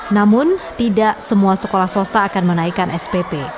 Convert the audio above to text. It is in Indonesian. namun tidak semua sekolah swasta akan menaikkan spp